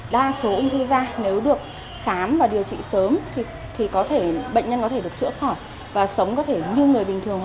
đa số ung thư ra nếu được khám và điều trị sớm thì bệnh nhân có thể được chữa khỏi và sống có thể như người bình thường